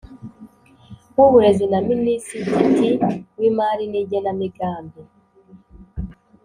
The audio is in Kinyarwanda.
W uburezi na minisititi w imari n igenamigambi